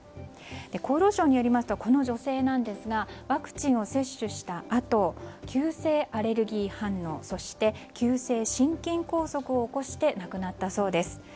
厚労省によりますとこの女性ですがワクチンを接種したあと急性アレルギー反応そして急性心筋梗塞を起こして亡くなったそうです。